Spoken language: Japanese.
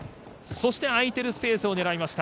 そして空いてるスペースを狙いました。